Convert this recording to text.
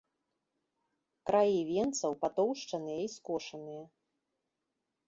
Краі венцаў патоўшчаныя і скошаныя.